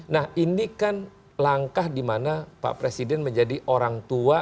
nah ini kan langkah di mana pak presiden menjadi orang tua